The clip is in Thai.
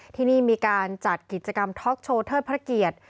ที่นี่มีการจัดกิจกรรมท็อกโชว์เทิดพระเกียรติ